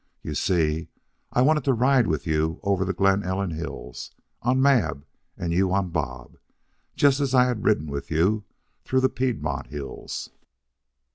You see, I wanted to ride with you over the Glen Ellen hills, on Mab and you on Bob, just as I had ridden with you through the Piedmont hills."